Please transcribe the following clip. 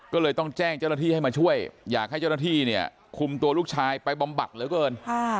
ก็เลยต้องแจ้งเจ้าหน้าที่ให้มาช่วยอยากให้เจ้าหน้าที่เนี่ยคุมตัวลูกชายไปบำบัดเหลือเกิน